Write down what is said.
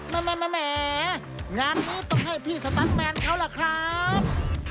แหมงานนี้ต้องให้พี่สตันแมนเขาล่ะครับ